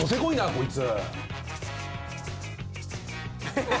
こいつ。